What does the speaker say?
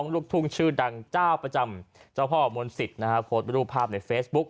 ลูกทุ่งชื่อดังเจ้าประจำเจ้าพ่อมนต์สิทธิ์นะฮะโพสต์รูปภาพในเฟซบุ๊ค